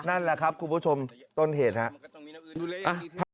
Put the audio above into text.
นั่นแหละครับคุณผู้ชมต้นเหตุครับ